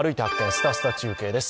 すたすた中継」です。